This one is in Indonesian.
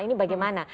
hal ini bagaimana